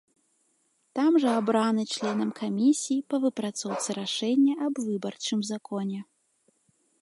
Там жа абраны членам камісіі па выпрацоўцы рашэння аб выбарчым законе.